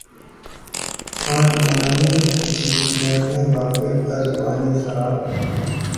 خانمانِ جبریانِ غافل از معنی خراب!